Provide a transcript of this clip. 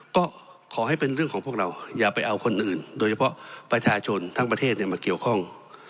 ก็ขอให้เป็นเรื่องของพวกเราอย่าไปเอาคนอื่นโดยเฉพาะประชาชนทั้งประเทศมาเกี่ยวข้อง